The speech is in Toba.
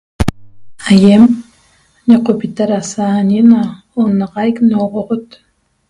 Aiem ñoqopita da sañe na onaxaic nogoxot